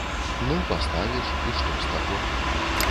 Ну, паставіш, і што з таго?